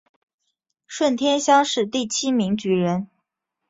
顺天乡试第七名举人。